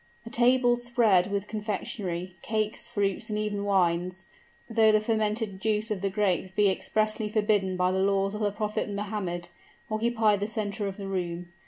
A table spread with confectionery, cakes, fruits, and even wines though the fermented juice of the grape be expressly forbidden by the laws of the Prophet Mohammed occupied the center of the room.